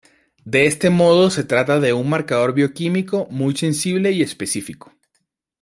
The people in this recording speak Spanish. De este modo se trata de un marcador bioquímico muy sensible y específico.